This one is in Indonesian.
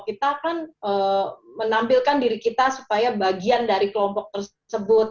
kita kan menampilkan diri kita supaya bagian dari kelompok tersebut